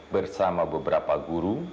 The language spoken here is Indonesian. bersama beberapa guru